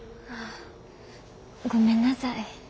ごめんなさい。